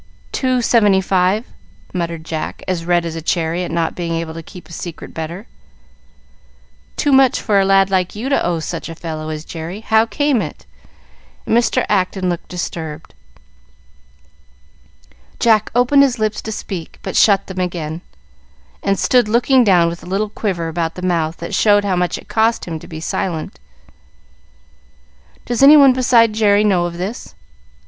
"Two seventy five," muttered Jack, as red as a cherry at not being able to keep a secret better. "Too much for a lad like you to owe such a fellow as Jerry. How came it?" And Mr. Acton looked disturbed. Jack opened his lips to speak, but shut them again, and stood looking down with a little quiver about the mouth that showed how much it cost him to be silent. "Does any one beside Jerry know of this?"